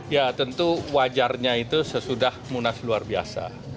ya tentu wajarnya itu sesudah munas luar biasa